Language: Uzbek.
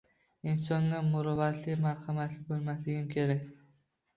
Insonga muruvvatli, marhamatli boʻlmasligimiz kerak?!